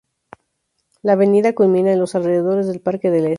La avenida culmina en los alrededores del Parque del Este.